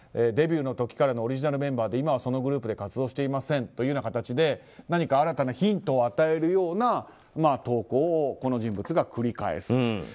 デビューからのオリジナルメンバーで今はそのグループで活動していませんという形で何か新たなヒントを与えるような投稿をこの人物が繰り返す。